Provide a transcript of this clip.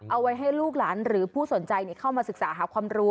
เอาไว้ให้ลูกหลานหรือผู้สนใจเข้ามาศึกษาหาความรู้